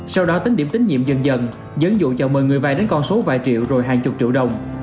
sau đó tín điểm tín nhiệm dần dần dấn dụ cho mời người vay đến con số vài triệu rồi hai mươi triệu đồng